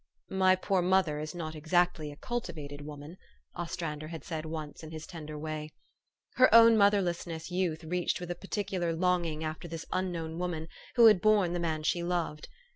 (" My poor mother is not exactly a cultivated woman," Ostrander had said once in his tender way.) Her own motherless youth reached with a peculiar longing after this un known woman who had borne the man she loved.